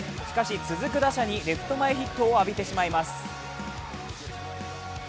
しかし続く打者にレフト前ヒットを浴びてしまいます。